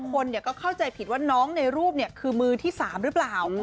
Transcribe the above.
คนก็เข้าใจผิดว่าน้องในรูปคือมือที่๓หรือเปล่า